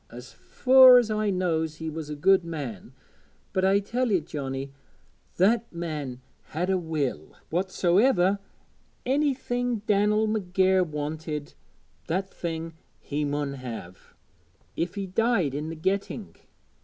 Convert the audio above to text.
As fur as I knows, he was a good man; but I tell ye, Johnnie, that man had a will whatsoever thing Dan'el McGair wanted, that thing he mun have, if he died i' the getting.